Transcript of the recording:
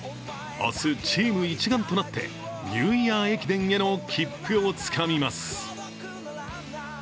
明日、チーム一丸となってニューイヤー駅伝への切符をつかみます。